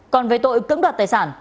còn về tội cấm đoạt tài sản